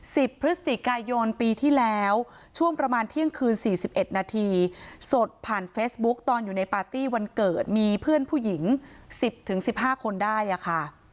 พฤศจิกายนปีที่แล้วช่วงประมาณเที่ยงคืนสี่สิบเอ็ดนาทีสดผ่านเฟซบุ๊กตอนอยู่ในปาร์ตี้วันเกิดมีเพื่อนผู้หญิงสิบถึงสิบห้าคนได้อ่ะค่ะ